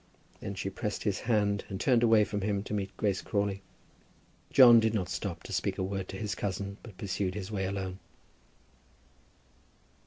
Then she pressed his hand and turned away from him to meet Grace Crawley. John did not stop to speak a word to his cousin, but pursued his way alone.